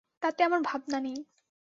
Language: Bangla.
তাতে আমার ভাবনা নেই।